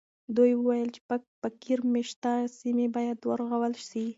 دوی وویل چې فقیر مېشته سیمې باید ورغول سي.